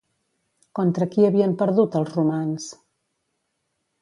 Contra qui havien perdut els romans?